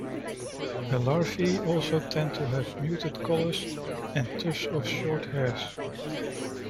The larvae also tend to have muted colors and tufts of short hairs.